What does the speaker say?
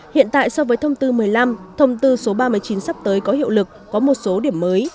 hiện tại so với thông tư một mươi năm thông tư số ba mươi chín sắp tới có hiệu lực có một số điểm mới